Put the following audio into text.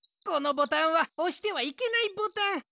このボタンはおしてはいけないボタン。